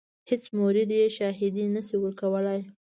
هیڅ مرید یې شاهدي نه شي ورکولای.